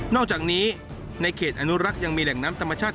อกจากนี้ในเขตอนุรักษ์ยังมีแหล่งน้ำธรรมชาติ